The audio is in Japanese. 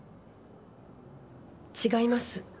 違います。